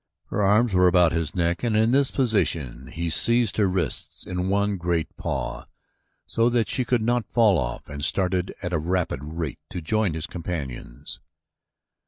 Her arms were about his neck and in this position he seized her wrists in one great paw so that she could not fall off and started at a rapid rate to join his companions.